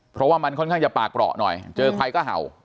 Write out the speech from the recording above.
เพราะว่ามันค่อนข้างจะปากเปราะหน่อยเจอใครก็เห่า